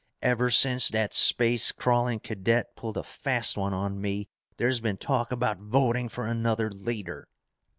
"Ever since that space crawling cadet pulled a fast one on me there's been talk about voting for another leader!"